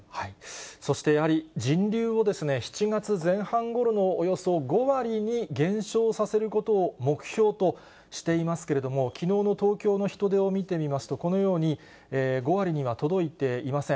そしてやはり、人流を７月前半ごろのおよそ５割に減少させることを目標としていますけれども、きのうの東京の人出を見てみますと、このように５割には届いていません。